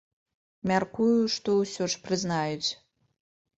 Мяркую, што ўсё ж прызнаюць.